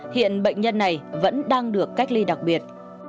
hiện bệnh nhân này vẫn đang được cách ly đặc biệt